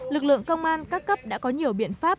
lực lượng công an các cấp đã có nhiều biện pháp